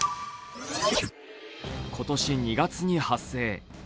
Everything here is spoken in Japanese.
今年２月に発生。